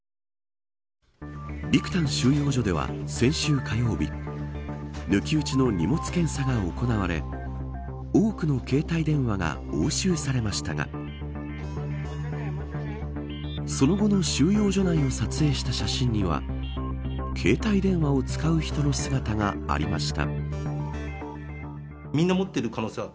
ビクタン収容所では先週火曜日抜き打ちの荷物検査が行われ多くの携帯電話が押収されましたがその後の収容所内を撮影した写真には携帯電話を使う人の姿がありました。